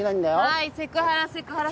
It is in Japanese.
はいセクハラセクハラ。